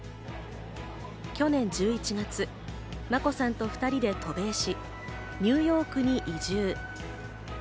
去年１１月、眞子さんと２人で渡米し、ニューヨークに移住。